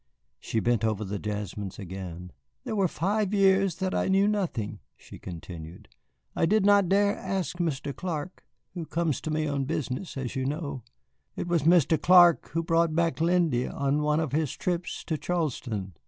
She bent over the jasmines again. "There were five years that I knew nothing," she continued. "I did not dare ask Mr. Clark, who comes to me on business, as you know. It was Mr. Clark who brought back Lindy on one of his trips to Charleston.